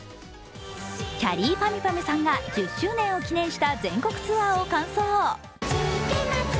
きゃりーぱみゅぱみゅさんが１０周年を記念した全国ツアーを完走。